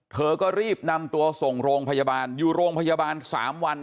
เธอก็รีบนำตัวส่งโรงพยาบาลอยู่โรงพยาบาล๓วัน